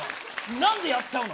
何でやっちゃうの？